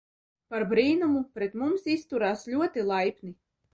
Par brīnumu pret mums izturās ļoti laipni.